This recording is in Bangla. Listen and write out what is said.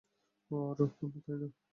ও আর ও, তাই না?